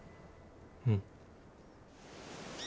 うん。